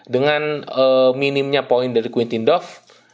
dengan ee minimnya poin dari quintin doff